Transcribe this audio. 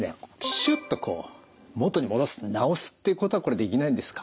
シュッとこう元に戻す治すっていうことはこれできないんですか？